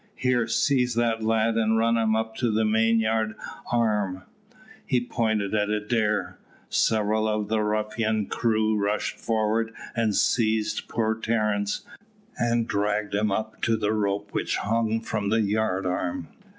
Here, seize that lad and run him up to the mainyard arm." He pointed at Adair. Several of the ruffian crew rushed forward and seized poor Terence, and dragged him up to the rope which hung from the yard arm.